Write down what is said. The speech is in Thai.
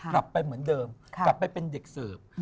กลับไปเหมือนเดิมกลับไปเป็นเด็กเสิร์ฟ